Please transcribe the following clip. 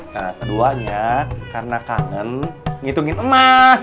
nah keduanya karena kangen ngitungin emas